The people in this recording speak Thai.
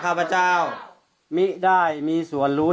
ข้าพเจ้านางสาวสุภัณฑ์หลาโภ